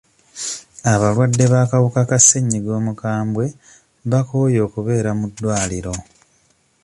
Abalwadde b'akawuka ka ssenyiga omukambwe bakooye okubeera mu ddwaliro.